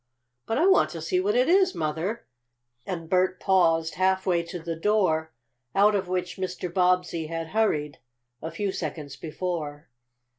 "But I want to see what it is, Mother!" and Bert paused, half way to the door, out of which Mr. Bobbsey had hurried a few seconds before.